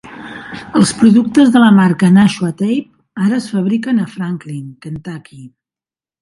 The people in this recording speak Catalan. Els productes de la marca Nashua Tape ara es fabriquen a Franklin, Kentucky.